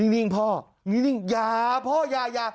นิ่งพ่อนิ่งอย่าพ่ออย่า